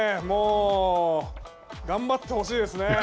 もう頑張ってほしいですね。